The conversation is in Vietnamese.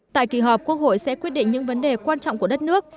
tại kỳ họp quốc hội sẽ quyết định những vấn đề quan trọng của đất nước